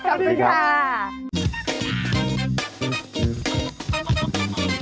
สวัสดีครับ